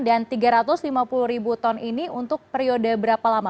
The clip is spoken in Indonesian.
dan tiga ratus lima puluh ribu ton ini untuk periode berapa lama